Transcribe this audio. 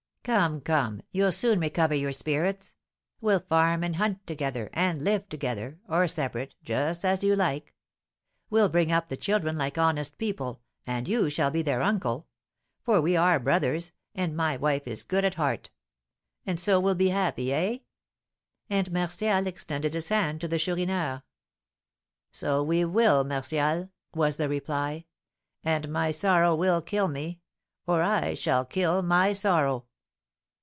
"Come, come, you'll soon recover your spirits. We'll farm and hunt together, and live together, or separate, just as you like. We'll bring up the children like honest people, and you shall be their uncle, for we are brothers, and my wife is good at heart; and so we'll be happy, eh?" And Martial extended his hand to the Chourineur. "So we will, Martial," was the reply; "and my sorrow will kill me, or I shall kill my sorrow."